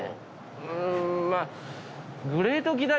うーんまあ。